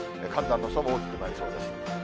寒暖の差が大きくなりそうです。